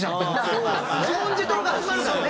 自問自答が始まるからね。